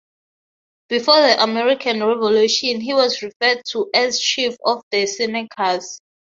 Before the American Revolution he was referred to as chief of the Senecas.